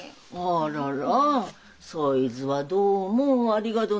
あららそいつはどうもありがとない。